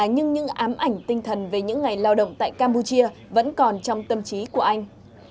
nhưng những ám ảnh tinh thần về những ngày lao động tại campuchia vẫn còn trong tâm trí của anh